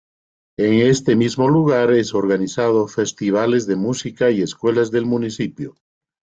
En este mismo lugar es organizado festivales de música y escuelas del municipio.